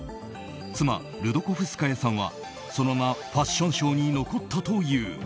妻ルドコフスカヤさんはそのままファッションショーに残ったという。